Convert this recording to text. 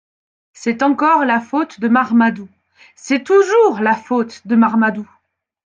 C’est encore la faute de Marmadou… c’est toujours la faute de Marmadou !